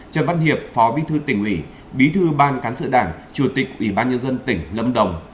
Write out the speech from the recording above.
trần văn hiệp phó bí thư tỉnh ủy bí thư ban cán sự đảng chủ tịch ủy ban nhân dân tỉnh lâm đồng